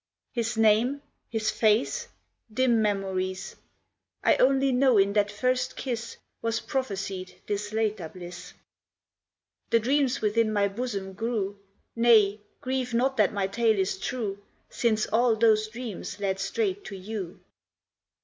His name? his face? dim memories; I only know in that first kiss Was prophesied this later bliss. The dreams within my bosom grew; Nay, grieve not that my tale is true, Since all those dreams led straight to you.